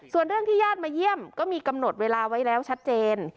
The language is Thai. ส่วนเรื่องที่ญาติมาเยี่ยมก็มีกำหนดเวลาไว้แล้วชัดเจน